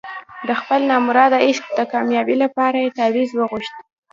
د خپل نامراده عشق د کامیابۍ لپاره یې تاویز وغوښت.